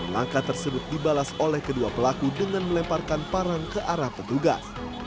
langkah tersebut dibalas oleh kedua pelaku dengan melemparkan parang ke arah petugas